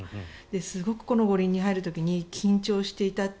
すごくこの五輪に入る時に緊張していたって。